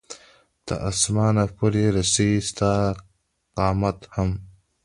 تر اسمانه پورې رسي ستا قامت هم